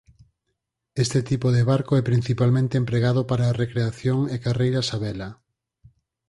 Este tipo de barco é principalmente empregado para a recreación e carreiras a vela.